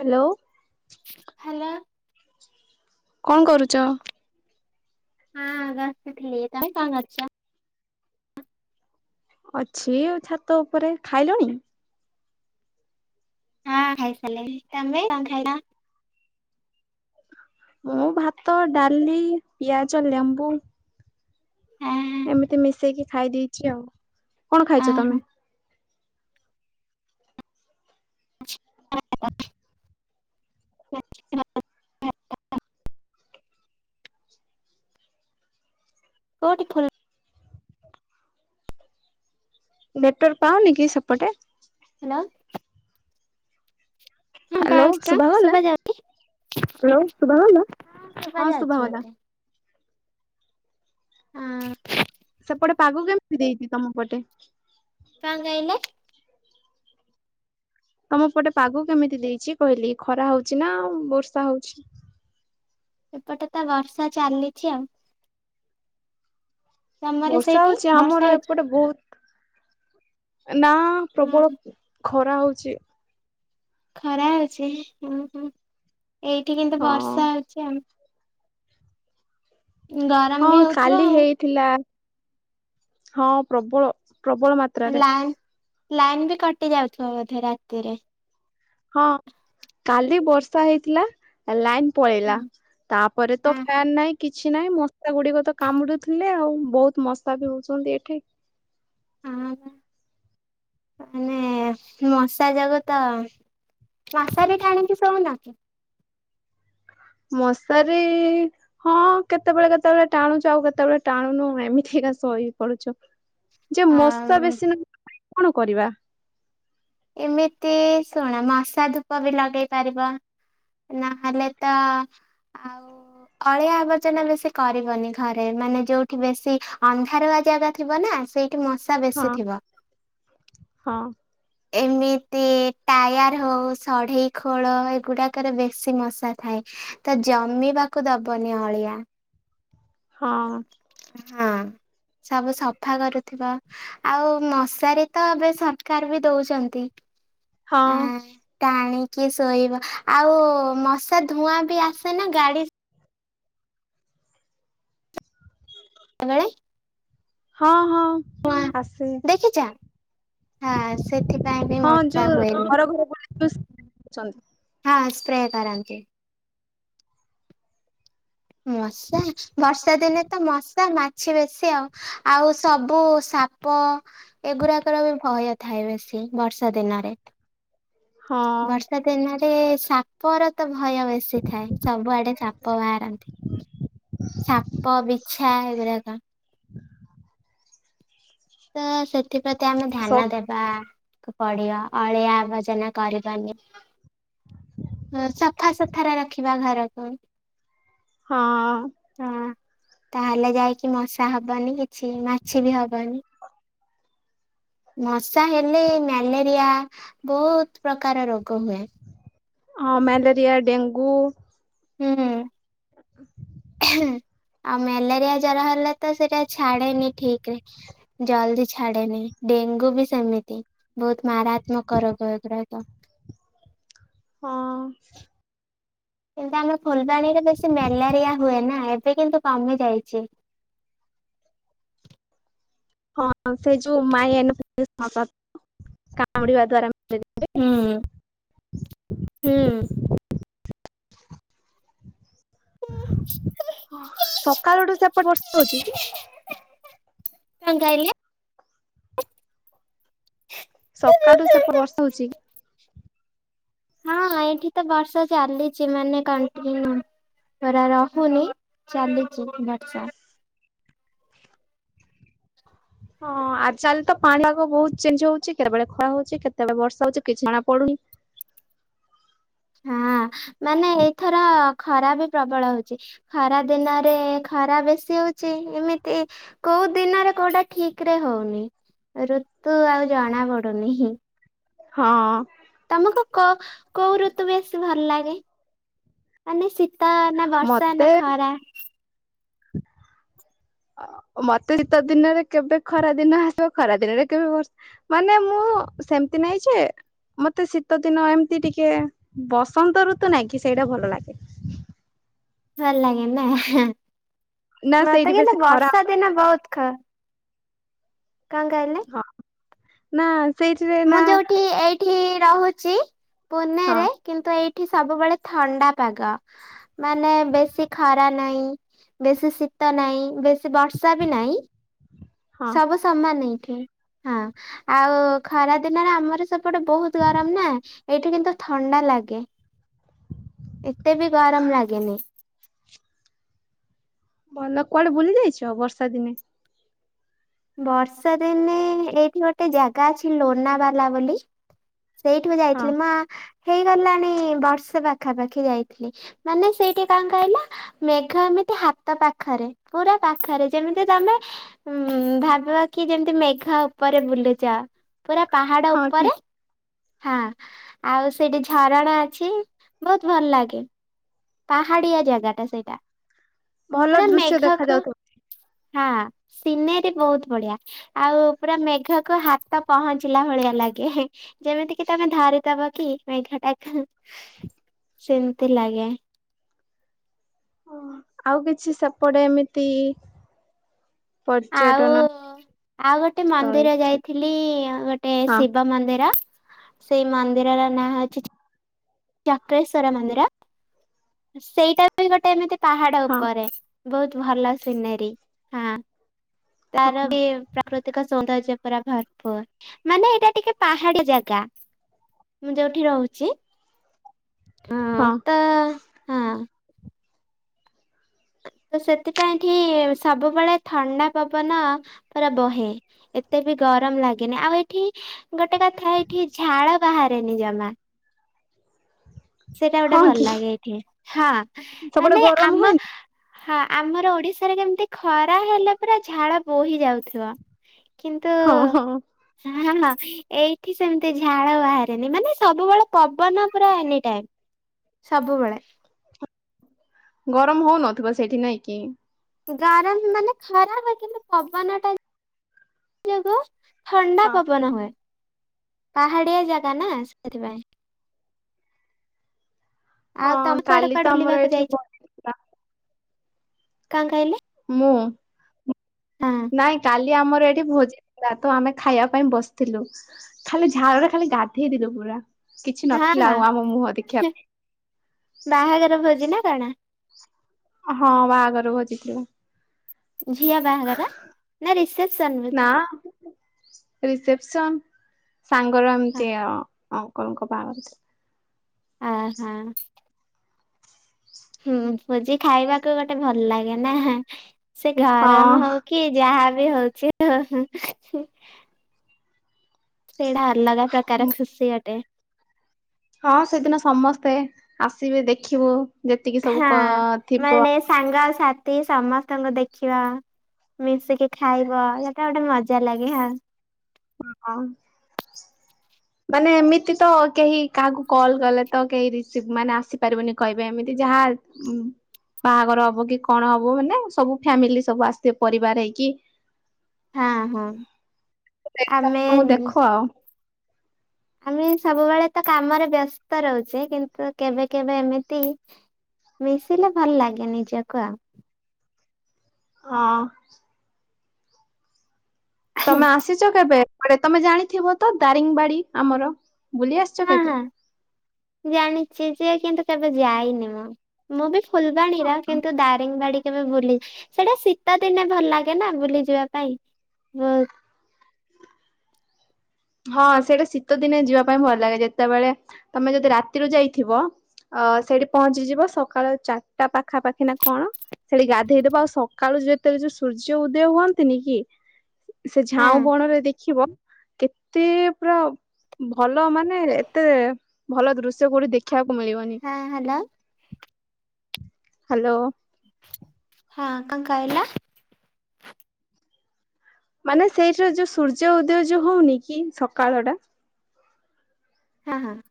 Hello ହାଲ କଣ କରୁଛ? ହଁ ବସିଥିଲି ତମେ କଣ କରୁଛ? ଅଛି ଆଉ ଛାତ ଉପରେ। ଖାଇଲଣି? ହଁ ଖାଇସାରିଲିଣି ତମେ କଣ ଖାଇଲ? ମୁଁ ଭାତ, ଡାଲି, ପିଆଜ, ଲେମ୍ବୁ ହଁ ଏମିତି ମିଶେଇକି ଖାଇ ଦେଇଚି ଆଉ। କଣ ହଁ ଖାଇଚ ତମେ? [inaudible] [inaudible] କଉଠି [inaudible] ନେଟୱର୍କ ପାଉନି କି ସେପଟେ? ହ୍ୟାଲୋ [unintelligible] ହଁ ହ୍ୟାଲୋ ପାଉଚି ତ ଶୁଭାଗଲା? ଶୁଭାଯାଉ ହ୍ୟାଲୋ ଶୁଭାଗଲା। ହଁ ଶୁଭାଯାଉଚି ମତେ। ହଁ ସେପଟେ ପାଗ କେମିତି ଦେଇଚି ତମ ପଟେ? କଣ କହିଲେ? ତମ ପଟେ ପାଗ କେମିତି ଦେଇଚି କହିଲି ଖରା ହଉଛି ନା ବର୍ଷା ହଉଚି? ଏପଟେ ତ ବର୍ଷା ଚାଲିଚି ଆଉ। ତମର ବର୍ଷା ସେଇଠି ହଉଚି ବର୍ଷା ଆମର ହଉଛି? ଏପଟେ ବହୁତ ନା ପ୍ରବଳ ହଁ ଖରା ହଉଚି। ଖରା ହଉଚି ହୁଁ ହୁଁ ଏଇଠି କିନ୍ତୁ ହଁ ବର୍ଷା ହଉଚି ଆଉ ଆଉ। ଗରମ ହଁ ବି ହଉଥିବ କାଲି ଆଉ ହେଇଥିଲା। ହଁ ପ୍ରବଳ ପ୍ରବଳ ମାତ୍ ଲା ଲାଇନ୍ ବି କଟି ଯାଉଥିବ ବୋଧେ ରାତିରେ। ହଁ କାଲି ବର୍ଷା ହେଇଥିଲା ଲାଇନ ପଳେଇଲା। ହଁ ତାପରେ ତ ହଁ ଫ୍ୟନ୍ ନାଇଁ କିଛି ନାହିଁ ମସା ଗୁଡିକ ତ କାମୁଡୁଥିଲେ ଆଉ ବହୁତ ମସ ସା ବି ହଉଛନ୍ତି ଏଠି [inaudible] ହଁ ବା ମାନେ ମଶା ଯୋଗୁ ତ ମଶାରୀ ଟାଣିକି ଶୋଉନକି। ମଶାରି ହଁ କେତେବେଳେ କେତେବେଳେ ଟାଣୁଚୁ ଆଉ କେତେବେଳେ ଟାଣୁନୁ ଏମିତି ଏକା ସ ସୋଇ ପଡୁଛୁ। ଯେ ମଶା ଆଉ ବେଶୀ [inaudible] ନ କଣ କରିବା। ଏମିତି ଶୁଣ ମଶା ଧୂପ ବି ଲଗେଇ ପାରିବ। ନାହଲେ ତ ଆଉ। ଅଳିଆ ଆବର୍ଜନା ବେଶୀ କରିବନି, ଘରେ ମାନେ ଯୋଉଠି ବେଶୀ ଅନ୍ଧାରୁଆ ଜାଗା ଥିବନା ସେଇଠି ମଶା ହଁ ବେଶୀ ଥିବ। ହଁ ଏମିତି ଟାୟାର ହଉ ସଢ଼େଇ ଖୋଳ ଏଗୁଡାକରେ ବେଶୀ ମଶା ଥାଏ। ତ ଜମିବାକୁ ଦବନି ଅଳିଆ। ହଁ ହଁ ସବୁ ସଫା କରୁଥିବା। ଆଉ ମଶାରୀ ତ ଏବେ ସରକାର ବି ଦଉଛନ୍ତି। ହଁ। ଆଁ ଟାଣିକି ଶୋଇବା ଆଉ ମଶା ଧୂଆଁ ବି ଆସେ ନା ଗାଡି [unintelligible] ହଁ ହଁ ଧୂଆଁ ଆସେ। ଦେଖିଛ ହଁ ସେଥିପାଇଁ ବି ହଁ ମଶା ଯୋଉ ହୁଏନି। ଘର ଘର ବୁଲି ଚନ୍ତି। ହଁ ସ୍ପ୍ରେକରାନ୍ତି। ମଶା। ବର୍ଷା ଦିନେ ତ ମଶା ମାଛି ବେଶୀ ଆଉ ଆଉ ସବୁ ସାପ ଏଗୁଡାକର ବି ଭୟ ଥାଏ ବେଶୀ ବର୍ଷା ଦିନରେ। ହଁ ବର୍ଷା ଦିନରେ ସାପ ର ତ ଭୟ ବେଶୀ ଥାଏ ସବୁଆଡେ ସାପ ବାହାରନ୍ତି। ସାପ ବିଛା ଏଗୁଡାକ। [inaudible] ତ ସେଥିପ୍ରତି ଆମେ ଧ୍ୟାନ ଦେବା। ବା ପଢିବ ଅଳିଆ ଆବର୍ଜନା କରିବନି। ହ ସଫାସଥରା ରଖିବା ଘରକୁ। ହଁ। ହଁ ତାହେଲେ ଯାଇକି ମଶା ହବନି କିଛି ମାଛି ବି ହବନି। ମଶା ହେଲେ ମ୍ୟାଲେରିଆ ବହୁତ ପ୍ରକାର ରୋଗ ହୁଏ। ହଁ ମ୍ୟାଲେରିଆ ଡେଙ୍ଗୁ। ହୁଁ। [inaudible] ଆଉ ମ୍ୟାଲେରିଆ ଜର ହେଲେ ତ ସେଇଟା ଛାଡେନି ଠିକ ରେ। ଜଲଦି ଛାଡେନି ଡେଙ୍ଗୁ ବି ସେମିତି। ବହୁତ ମାରାତ୍ମକ ରୋଗ ଏଗୁରାକ। ହଁ। କିନ୍ତୁ ଆମେ ଫୁଲବାଣୀରେ ବେଶୀ ମ୍ୟାଲେରିଆ ହୁଏ ନା ଏବେ କିନ୍ତୁ କମି ଯାଇଛି। ହଁ ସେ ଯୋଉ ମାଇ। [unintelligible] କାମୁଡିବା ଦ୍ଵାରା। ହୁଁ। [unintelligible] ସକାଳଠୁ ସେପଟ ବର୍ଷା ହଉଛି କି? କଣ କହିଲେ? ସକାଳଠୁ ସେପ ବର୍ଷଉଚଛି। ହଁ ଏଇଠି ତ ବର୍ଷା ଚାଲିଛି ମାନେ କଣ୍ଟିନ୍ୟୁ। ପରା ରହୁନି ଚାଲିଚି ବର୍ଷା। ହଁ ଆଚଲ୍ ତ ପାଣିପାଗ ବହୁତ ଚେଞ୍ଜ ହଉଛି କେତେବେଳେ ଖରା ହଉଛି କେତେବେଳେ ବର୍ଷା ହଉଛି କିଛି ଜଣା ପଡୁନି। ହଁ ମାନେ ଏଇଥର ଖରା ବି ପ୍ରବଳ ହଉଛି। ଖରା ଦିନରେ ଖରା ବେଶୀ ହଉଛି ଏମିତି କୋଉ ଦିନରେ କୋଉଟା ଠିକ ରେ ହଉନି ଋତୁ ଆଉ ଜଣା ପଡୁନି। ହଁ। ତମକୁ କୋ କୋଉ ଋତୁ ବେଶୀ ଭଲ ଲାଗେ? ମାନେ ଶୀତ ନା ବର୍ଷା ନା ମତେ ଖରା। ମତେ ଶୀତ ଦିନରେ କେବେ ଖରା ଦିନ ଆସିବ ଖରା ଦିନରେ କେବେ ବର୍ଷା ମାନେ ମୁଁ ସେମିତି ନାଇଁ ଯେ ମତେ ଶୀତ ଦିନ ଏମିତି ଟିକେ ବସନ୍ତ ଋତୁ ନାଇଁ କି ସେଇଟା ଭଲ ଲାଗେ। ଭଲ ଲାଗେ ନା। ନା ସେଇଠି ମତେ ବେଶୀ କିନ୍ତୁ ଖରା ବର୍ଷା ଦିନ ବହୁତ ଖ କାଣ କହିଲେ? ହଁ। ନା ସେଇଥି ରେ ମୁଁ ଯୋଉଠି ଏଇଠି ରହୁଛି ହଁ ପୁନେରେ କିନ୍ତୁ ଏଇଠି ସବୁବେଳେ ଥଣ୍ଡା ପାଗ ମାନେ ବେଶୀ ଖରା ନାହିଁ। ବେଶୀ ଶୀତ ନାହିଁ ବେଶୀ ବର୍ଷା ବି ନାହିଁ। ହଁ। ସବୁ ସମାନ ଏଇଠି ହଁ ଆଉ ଖରା ଦିନରେ ଆମର ସେପଟେ ବହୁତ ଗରମ ନା ଏଇଠି କିନ୍ତୁ ଥଣ୍ଡା ଲାଗେ। ଏତେ ବି ଗରମ ଲାଗେନି। ଭଲ କୁଆଡେ ବୁଲି ଯାଇଛ ବର୍ଷା ଦିନେ? ବର୍ଷାଦିନେ ଏଇଠି ଗୋଟେ ଜାଗା ଅଛି ଲୋନାବାଲା ବୋଲି। ସେଇଠିକୁ ହଁ ଯାଇଥିଲି ମ ହେଇଗଲାଣି ବର୍ଷେ ପାଖାପାଖି ଯାଇଥିଲି ମାନେ ସେଇଠି କଣ କହିଲ? ମେଘ ଏମିତି ହାତ ପାଖରେ ପୁରା ପାଖରେ ଯେମିତି ତମେ ହଁ ଭାବିବ କି ଯେମତି ମେଘ ଉପରେ ବୁଲୁଚ ପୁରା ପାହାଡ ହଁ କି ଉପରେ ହଁ ଆଉ ସେଇଠି ଝରଣା ଅଛି ବହୁତ ଭଲ ଲାଗେ। ପାହାଡିଆ ଜାଗାଟା ସେଇଟା ଭଲ ପୁରା ଦୃଶ୍ୟ ଦେଖା ମେଘକୁ ଯାଉଥିବ। ସିନେରୀ ବହୁତ ବଢିଆ। ଆଉ ପୁରା ମେଘକୁ ହାତ ପହଞ୍ଚିଲା ଭଳିଆ ଲାଗେ। ଯେମିତି କି ତମେ ଧରିଦବ କି ମେଘଟାକୁ ସେମିତି ଲାଗେ। ଆଉ କିଛି ସେପଟ ଏମିତି ଆଉ ପର୍ଯ୍ୟଟନ। ଆଉ ଗୋଟେ ସ୍ଥଳୀ ମନ୍ଦିର କିଛି ଯାଇଥିଲି ଗୋଟେ ହଁ ଶିବ ମନ୍ଦିର। ସେଇ ମନ୍ଦିରର ନାଁ ହେଉଛି ଚ ଚକ୍ରେଶ୍ଵର ମନ୍ଦିର ସେଇଟାବି ଗୋଟେ ଏମିତି ପାହାଡ ହଁ ଉପରେ। ବହୁତ ଭଲ ସିନେରୀ ହଁ ତାର ହଁ ବି ପ୍ରାକୃତିକ ସୌନ୍ଦର୍ଯ୍ୟ ପୁରା ଭରପୁର ମାନେ ଏଇଟା ଟିକେ ପାହାଡି ଯାଗା। ମୁଁ ଯୋଉଠି ରହୁଛି ହଁ ତ ହଁ। ତ ସେଥିପାଇଁକି ସବୁବେଳେ ଥଣ୍ଡା ପବନ ପୁରା ବହେ। ଏତେ ବି ଗରମ ଲାଗେନି ଆଉ ଏଇଠି ଗୋଟେ କଥା ଏଠି ଝାଳ ବାହାରେନି ଜମା। ସେଇଟା ଗୋଟେ ହଁ ଭଲ କି ଲାଗେ ଏଇଠି ହଁ ସେପଟେ ମାନେ ଗରମ ଆମ ହୁଏନି? ହଁ ଆମର ଓଡିଶାରେ କେମିତି ଖରା ହେଲେ ପୁରା ଝାଳ ବୋହି ଯାଉଥିବ। କିନ୍ତୁ ହଁ ହଁ। ହଁ ହଁ ଏଇଠି ସେମିତି ଝାଳ ବାହାରେନି ମାନେ ସବୁବେଳେ ପବନ ପୁରା ଏନି ଟାଇମ୍ ସବୁବେଳେ। ଗରମ ହଉନଥିବ ସେଇଠି ନାଇଁ କି? ଗରମ ମାନେ ଖରା ବାଜିଲେ ପବନଟା ଯୋଗୁ ଥଣ୍ଡା ହଁ ପବନ ହୁଏ ପାହାଡିଆ ଜାଗା ନା ସେଇଥି ପାଇଁ। ଆଉ ହଁ ତମେ କୁଆଡେ କାଲି ତ କୁଆଡେ ଆମର ବୁଲିବାକୁ ଏଠି ଯାଇଛ ଭୋଜି ଥିଲା କଣ କହିଲେ? ମୁଁ ହଁ ନାଇଁ କାଲି ଜି ଆମର ଏଠି ଭୋଜି ଥିଲା ତ ଆମେ ଖାଇବା ପାଇଁ ବସିଥିଲୁ। ଖାଲି ଝାଳରେ ଖାଲି ଗାଧେଇଲୁ ପୁରା କିଛି ହଁ ନଥିଲା ହଁ ଆଉ ଆମ ମୁହଁ ଦେଖିବା ପାଇଁ। ବାହାଘର ଭୋଜି ନା କଣ? ହଁ ବାହାଘର ଭୋଜି ଥିଲା। ଝିଆ ବାହାଘର ନା ରିସେପସନ ନା ଭୋଜି? ରିସେପସନ ସାଙ୍ଗର ଏମତିଆ ଅଙ୍କଲଙ୍କ ବାହାଘର ଥିଲା। ଆ ହାଃ। ହୁଁ ଭୋଜି ଖାଇବାକୁ ଗୋଟେ ଭଲ ଲାଗେ ନା ସେ ଗରମ ହଉ ହଁ କି ଯାହା ବି ହଉଛି ହଉ ହୁଁ। ସେଇଟା ଅଲଗା ପ୍ରକାର ଖୁସି ଗୋଟେ। ହଁ ସେଦିନ ସମସ୍ତେ ଆସିବେ ଦେଖିବୁ ଯେତିକି ସବୁ ହଁ କ ଥିବ। ମାନେ ସାଙ୍ଗ ସାଥି ସମସ୍ତଙ୍କୁ ଦେଖିବ। ମିଶିକି ଖାଇବ ସେଟା ଗୋଟେ ମଜା ଲାଗେ ହଁ। ଆଁ ମାନେ ଏମିତି ତ କେହି କାହାକୁ କଲ୍ କଲେ ତ କେହି ରିସିଭ ମାନେ ଆସିପାରିବେନି କହିବେ ଏମିତି ଯାହା ଉ ବାହାଘର ହବ କି କଣ ହବ ମାନେ ସବୁ ଫ୍ୟାମିଲି ସବୁ ଆସିଥିବେ ପରିବାର ହେଇକି। ହଁ ହଁ ଆମେ ସମସ୍ତଙ୍କୁ ଦେଖ ଆଉ ଆମେ ସବୁବେଳେ ତ କାମରେ ବ୍ୟସ୍ତ ରହୁଛେ କିନ୍ତୁ କେବେ କେବେ ଏମିତି ମିଶିଲେ ଭଲ ଲାଗେ ନିଜକୁ ଆଉ। ହଁ। ତମେ ଆସିଛ କେବେ ଏପଟେ ତମେ ଜାଣିଥିବ ତ ଦାରିଙ୍ଗବାଡି ଆମର ବୁଲି ଆସିଛ ହଁ କେବେ? ହଁ ଜାଣିଛି ଯେ କିନ୍ତୁ କେବେ ଯାଇନି ମୁଁ ମୁଁ ବି ଫୁଲବାଣୀର କିନ୍ତୁ ଦାରିଙ୍ଗବାଡି କେବେ ବୁଲି ସେଇଟା ଶୀତ ଦିନେ ଭଲ ଲାଗେ ନା ବୁଲି ଯିବା ପାଇଁ ବହୁତ। ହଁ ସେଇଟା ଶୀତ ଦିନେ ଯିବା ପାଇଁ ଭଲ ଲାଗେ ଯେତେବେଳେ ତମେ ଯଦି ରାତିରୁ ଯାଇଥିବ। ଅ ସେଇଠି ପହଞ୍ଚିଯିବ ସକାଳ ଚାରିଟା ପାଖାପାଖି ନା କଣ। ସେଠି ଗାଧେଇ ଦବ ଆଉ ସକାଳୁ ଯେତେବେଳେ ଯୋଉ ସୂର୍ଯ୍ୟ ଉଦୟ ହୁଅନ୍ତିନି କି। ସେ ହଁ ଝାଉଁ ବଣ ରେ ଦେଖିବ କେତେ ପୁରା ଭଲ ମାନେ ଏତେ ଭଲ ଦୃଶ୍ୟ କୋଉଠି ଦେଖିବାକୁ ମିଳିବନି। ହଁ ହ୍ୟାଲୋ। ହାଲୋ। ହଁ କଣ କହିଲ। ମାନେ ସେଇଠିର ଯୋଉ ସୂର୍ଯ୍ୟ ଉଦୟ ଯୋଉ ହଉନି କି ସକାଳ ଟା। ହଁ ହଁ।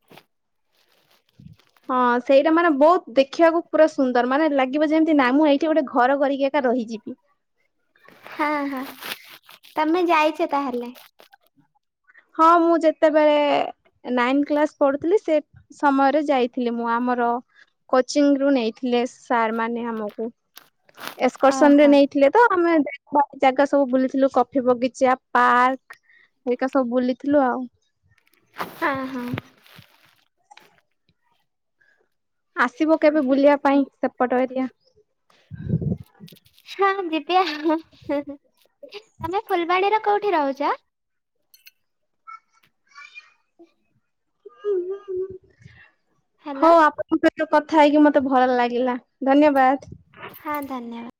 ହଁ ସେଇଟା ମାନେ ବହୁତ ଦେଖିବାକୁ ପୁରା ସୁନ୍ଦର ମାନେ ଲାଗିବ ଯେମିତି ନାଇଁ ମୁଁ ଏଇଠି ଗୋଟେ ଘର କରିକି ଏକା ରହିଯିବି। ହଁ ହଁ ତମେ ଯାଇଛ ତାହେଲେ? ହଁ ମୁଁ ଯେତେବେଳେ ନାଇନ କ୍ଲାସ ପଢୁଥିଲି ସେ ସମୟରେ ଯାଇଥିଲି ମୁଁ ଆମର କୋଚିଂ ରୁ ନେଇଥିଲି ସାର୍ ମାନେ ଆମକୁ। ଏକ୍ସକର୍ସନ ରେ ଓହୋ ନେଇଥିଲେ। ତ ଆମେ ଦେ ଜାଗା ସବୁ ବୁଲିଥିଲୁ କଫି ବଗିଚା ପାର୍କ। ହେରିକା ସବୁ ବୁଲିଥିଲୁ ଆଉ। ଅଁ ହଁ। ଆସିବ କେବେ ବୁଲିବା ପାଇଁ ସେପଟ ଏରିଆ। ହଁ ଯିବି ଆଉ ହଁ। ତମେ ଫୁଲବାଣୀର କୋଉଠି ରହୁଛ? [unintelligible] ହ୍ୟାଲୋ ହଉ ଆ ମୋ ସହିତ କଥା ହେଇକି ମତେ ଭଲ ଲାଗିଲା ଧନ୍ୟବାଦ। ହଁ ଧନ୍ୟବାଦ।